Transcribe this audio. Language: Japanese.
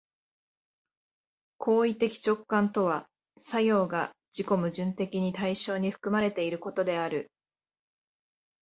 行為的直観とは作用が自己矛盾的に対象に含まれていることである。